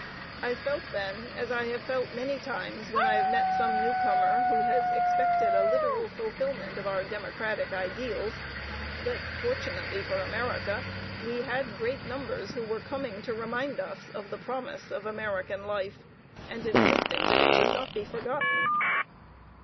"I felt then, as I have felt many times when I have met some newcomer who has expected a literal fulfillment of our democratic ideals, that fortunately for America we had great numbers who were coming to remind us of the 'promise of American life,' and insisting that it should not be forgotten."